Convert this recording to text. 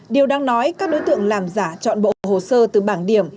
điều đang nói các đối tượng làm giả chọn bộ hồ sơ từ bảng điểm